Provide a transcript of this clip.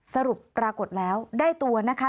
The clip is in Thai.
สรุปปรากฏแล้วได้ตัวนะคะ